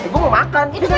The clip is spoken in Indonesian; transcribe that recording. gua mau makan